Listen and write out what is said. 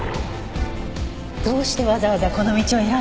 どうしてわざわざこの道を選んだのかしら。